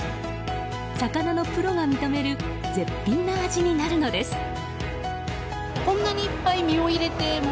魚のプロが認める絶品の味になるのです。